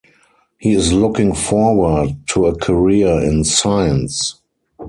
He is looking forward to a career in science.